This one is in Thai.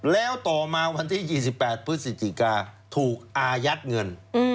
แล้วต่อมาวันที่๒๘พฤศจิกาถูกอายัดเงิน